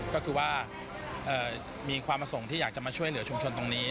ก็คือว่ามีความประสงค์ที่อยากจะมาช่วยเหลือชุมชนตรงนี้